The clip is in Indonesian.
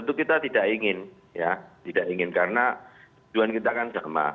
itu kita tidak ingin ya tidak ingin karena tujuan kita kan sama